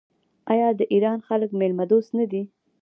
آیا د ایران خلک میلمه دوست نه دي؟